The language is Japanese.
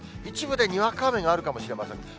一部でにわか雨があるかもしれません。